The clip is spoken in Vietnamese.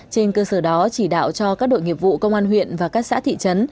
trên cơ sở đó chỉ đạo cho các đội nghiệp vụ công an huyện và các xã thị trấn